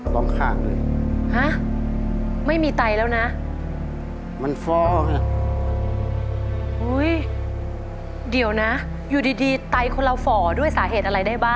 ไปต้นอะไรครับ